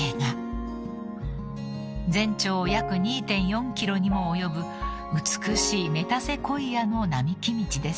［全長約２．４ｋｍにも及ぶ美しいメタセコイアの並木道です］